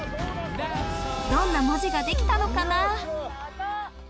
どんな文字ができたのかな？